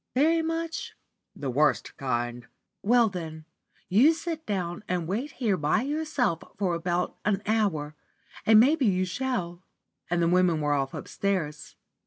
"Very much?" "The worst kind." "Well, then, you sit down and wait here by yourself for about an hour, and maybe you shall;" and the women were off upstairs.